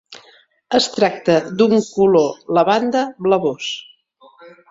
Es tracta d'un color lavanda blavós.